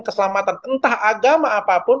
keselamatan entah agama apapun